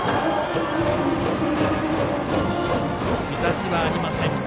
日ざしはありません。